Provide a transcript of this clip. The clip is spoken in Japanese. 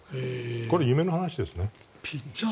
これ、夢の話ですね。